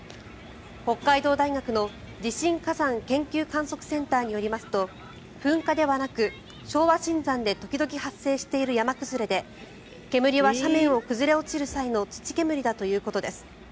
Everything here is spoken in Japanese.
北海道大学の地震火山研究観測センターによりますと噴火ではなく、昭和新山で時々発生している山崩れで煙は斜面を崩れ落ちる際の土煙だということです。